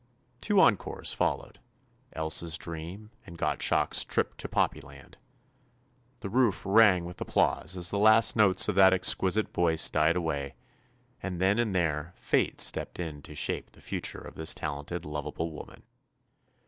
Two encores followed, "Elsa's Dream," and Gottschalk's "Trip to Poppy Land." The roof rang with applause as the last notes of that ex quisite voice died away, and then and there 'Tate" stepped in to shape the future of this talented, lovable woman.